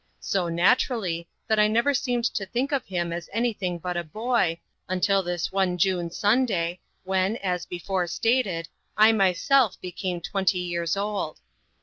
So naturally, that I never seemed to think of him as anything but a boy, until this one June Sunday, when, as before stated, I myself became twenty years old.